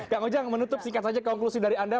kang ujang menutup singkat saja konklusi dari anda